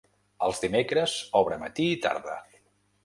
Els dimecres obre matí i tarda.